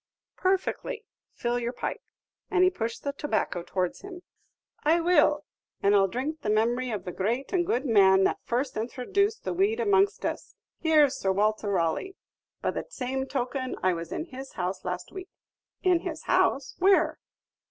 "Perfectly; fill your pipe." And he pushed the tobacco towards him. "I will; and I 'll drink the memory of the great and good man that first intro duced the weed amongst us Here's Sir Walter Raleigh! By the same token, I was in his house last week." "In his house! where?"